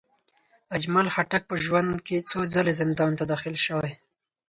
اجمل خټک په ژوند کې څو ځلې زندان ته داخل شوی.